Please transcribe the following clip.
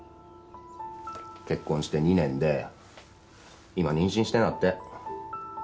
結婚して２年で今妊娠してるんだって。